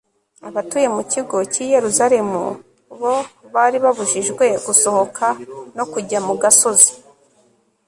abatuye mu kigo cy'i yeruzalemu bo bari babujijwe gusohoka no kujya mu gasozi